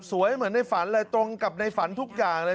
เหมือนในฝันเลยตรงกับในฝันทุกอย่างเลย